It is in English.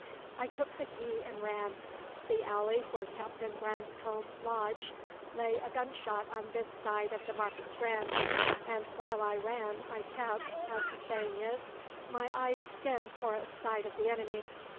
I took the key and ran. The alley where Captain Branscome lodged lay a gunshot on this side of the Market Strand; and while I ran I kept as the saying is my eyes skinned for a sight of the enemy.